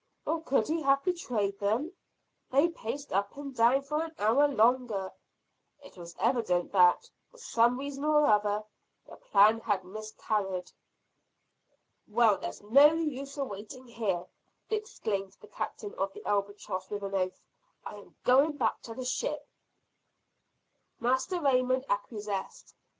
Or could he have betrayed them? They paced up and down for an hour longer. It was evident that, for some reason or other, the plan had miscarried. "Well, there is no use awaiting here," exclaimed the Captain of the "Albatross" with an oath; "I am going back to the ship." Master Raymond acquiesced.